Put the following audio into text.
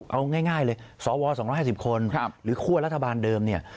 เอาง่ายเลยสว๒๕๐คนหรือคั่วรัฐบาลเดิมเนี่ย